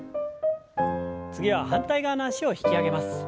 次は反対側の脚を引き上げます。